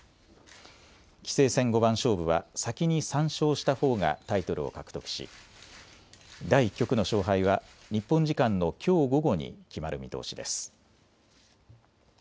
棋聖戦五番勝負は先に３勝したほうがタイトルを獲得し第１局の勝敗は日本時間のきょう午後に決まる見通しです。